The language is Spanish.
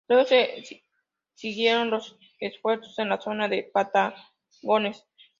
Luego se siguieron los esfuerzos en la zona de Patagones.